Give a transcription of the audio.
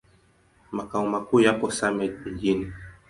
Makao makuu yapo Same Mjini.